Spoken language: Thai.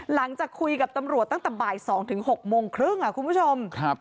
หลังจากคุยกับตำรวจตั้งแต่บ่าย๒๖โมงครึ่งคุณผู้ชม